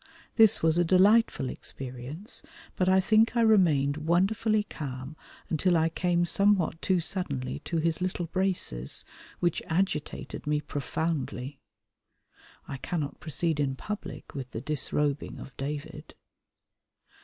This was a delightful experience, but I think I remained wonderfully calm until I came somewhat too suddenly to his little braces, which agitated me profoundly. I cannot proceed in public with the disrobing of David.